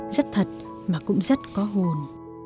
rất thật mà cũng rất có hồn